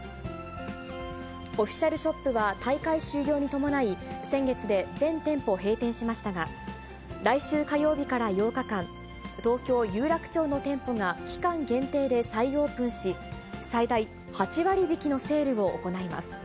オフィシャルショップは大会終了に伴い、先月で全店舗閉店しましたが、来週火曜日から８日間、東京・有楽町の店舗が期間限定で再オープンし、最大８割引きのセールを行います。